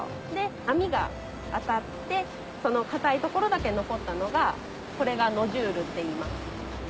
波が当たってその硬い所だけ残ったのがこれがノジュールっていいます。